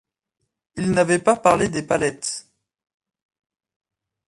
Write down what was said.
Il n’avait pas parlé des palettes.